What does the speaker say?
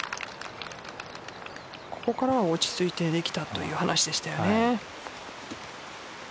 ここからは落ち着いてできたという話でしたよね。